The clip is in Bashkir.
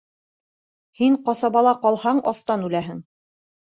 Һин ҡасабала ҡалһаң, астан үләһең.